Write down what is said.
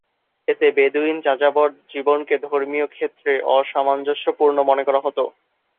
এতে বেদুইন যাযাবর জীবনকে ধর্মীয় ক্ষেত্রে অসামঞ্জস্যপূর্ণ মনে করা হত।